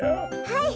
はい。